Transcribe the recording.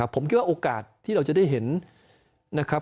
ผมคิดว่าโอกาสที่เราจะได้เห็นนะครับ